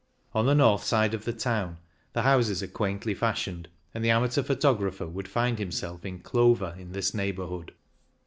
On the north side of the town the houses are quaintly fashioned, and the amateur photo io6 CYCLING IN THE ALPS grapher would find himself in clover in this neighbourhood.